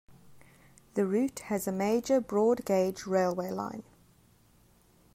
The route has a major broad gauge railway line.